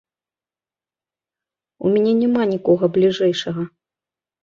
У мяне няма нікога бліжэйшага.